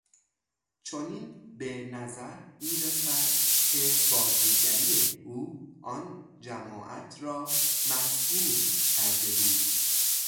چنین به نظر میرسد که بازیگری او آن جماعت را مسحور کرده بود.